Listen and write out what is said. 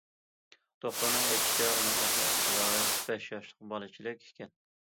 دوختۇرنىڭ ئېيتىشىچە ئۇنىڭ ئەقلىي ئىقتىدارى بەش ياشلىق بالىچىلىك ئىكەن.